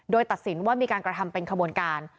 โดยตัดสินว่ามีการกระทำเป็นขบวนการ